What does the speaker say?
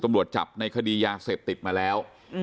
ตำรวจจับในคดียาเสพติดมาแล้ว